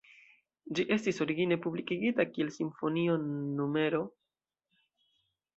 Ĝi estis origine publikigita kiel "Simfonio No.